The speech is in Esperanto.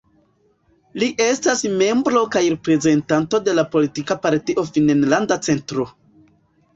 Li estas membro kaj reprezentanto de la politika partio Finnlanda Centro.